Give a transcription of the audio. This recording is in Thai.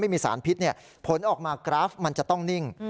ไม่มีสารพิษผลออกมากราฟมันจะต้องนิ่ง